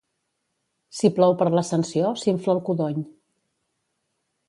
Si plou per l'Ascensió, s'infla el codony.